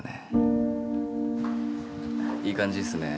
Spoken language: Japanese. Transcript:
いい感じっすねえ。